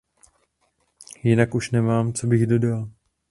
Jinak už nemám, co bych dodal.